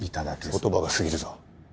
言葉が過ぎるぞ。